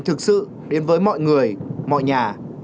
thực sự đến với mọi người mọi nhà